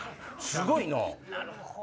すごいな！